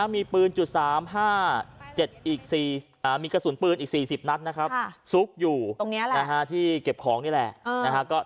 มีปืน๓๕๗อีกมีกระสุนปืนอีก๔๐นัดนะครับซุกอยู่ที่เก็บของนี่แหละ